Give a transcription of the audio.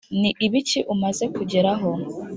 ni ibiki umaze kugeraho?